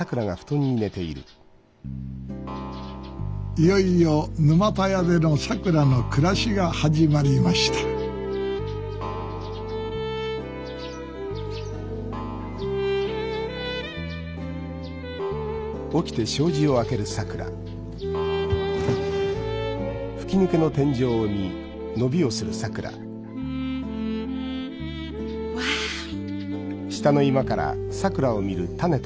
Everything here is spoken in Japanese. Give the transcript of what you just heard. いよいよ沼田屋でのさくらの暮らしが始まりましたワオ！